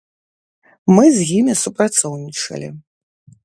Мы з імі супрацоўнічалі.